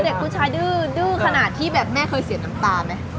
เด็กผู้ชายดื้อดื้อขนาดที่แบบแม่เคยเสียน้ำตาไหม